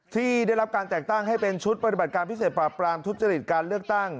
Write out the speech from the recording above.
ที่ได้รับการแต่งตั้งให้เป็นชุดปฏิบัติการพิเศษปราบปรามทุจริตการเลือกตั้ง